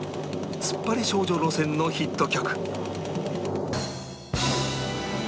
ツッパリ少女路線のヒット曲